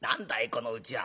このうちは。